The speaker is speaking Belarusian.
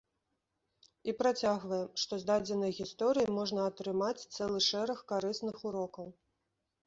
І працягвае, што з дадзенай гісторыі можна атрымаць цэлы шэраг карысных урокаў.